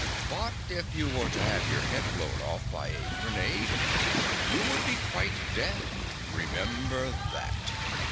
But if you were to have your head blown off by a grenade, you would be quite dead. Remember that."